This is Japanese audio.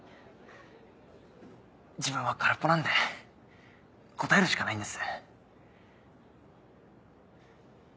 自分は空っぽなんで応えるしかないんです。